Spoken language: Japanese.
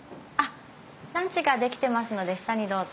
ランチが出来てますので下にどうぞ。